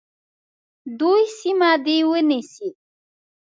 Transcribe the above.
دوی سیمه دي ونیسي.